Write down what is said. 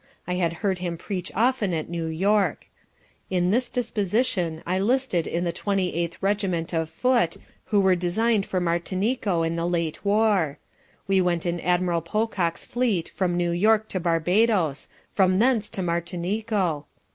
I had heard him preach often at New York. In this disposition I listed in the twenty eighth Regiment of Foot, who were design'd for Martinico in the late war. We went in Admiral Pocock's fleet from New York to Barbadoes; from thence to Martinico.